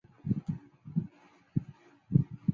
曾分别就读日侨学校与台北美国学校。